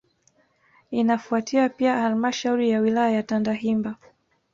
Inafuatia Pia halmashauri ya wilaya ya Tandahimba